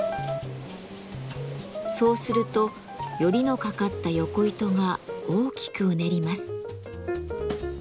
そうするとヨリのかかったヨコ糸が大きくうねります。